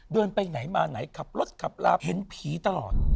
เดินไปไหนมาไหนขับรถขับลาบเห็นผีตลอด